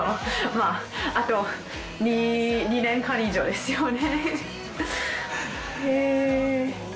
あと２年半以上ですよね。